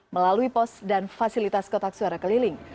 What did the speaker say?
melalui pos dan fasilitas kotak suara keliling